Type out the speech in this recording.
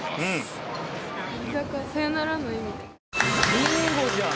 ビンゴじゃん！